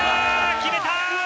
決めた！